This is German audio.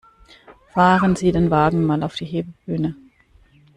Fahren Sie den Wagen mal auf die Hebebühne!